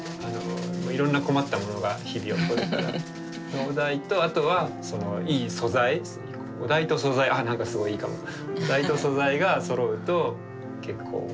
お題とあとはいい素材お題と素材あっなんかすごいいいかも江口さん